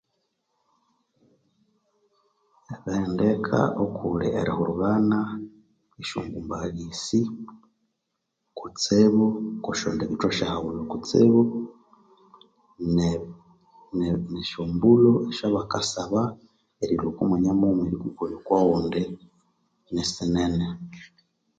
Ebihendeka okuli erihurubana esyongumbaghali esi kutsibu kusyondibitho syahghulhu kutsibu nesyombulho esyobakasaba erilhwa oko mwanya mughuma erihika okwa ghundi nisinene